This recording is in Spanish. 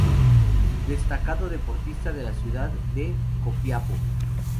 Destacado deportista de la ciudad de Copiapó.